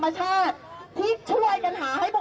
ที่ช่วยกันหาให้พวกเราคุณละคะแนนสองแบบ